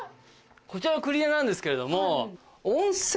こちらのクリーナーなんですけれども。